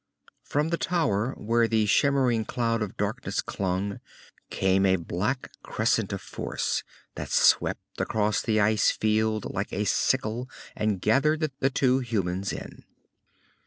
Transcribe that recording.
From the tower where the shimmering cloud of darkness clung came a black crescent of force that swept across the ice field like a sickle and gathered the two humans in.